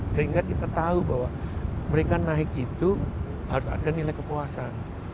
sehingga kita tahu bahwa mereka naik itu harus ada nilai kepuasan